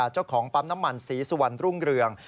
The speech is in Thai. เจ้าของปั๊มน้ำมันศรีสุวรรณรุ่งเรือง